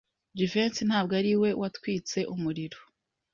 Jivency ntabwo ari we watwitse umuriro.